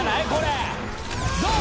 どう？